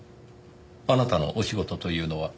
あなたのお仕事というのは？